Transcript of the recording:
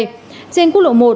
trên quốc lộ một